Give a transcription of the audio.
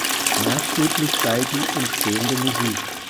Maßgeblich sei die entstehende Musik.